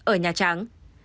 ở nhà trắng